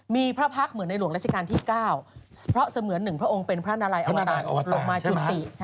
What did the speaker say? มีพระพักษ์เหมือนในหลวงราชการที่๙เพราะเสมือน๑พระองค์เป็นพระนาลัยอมตะลงมาจุติ